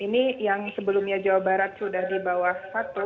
ini yang sebelumnya jawa barat sudah di bawah satu